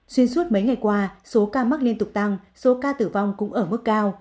xuyên suốt mấy ngày qua số ca mắc liên tục tăng số ca tử vong cũng ở mức cao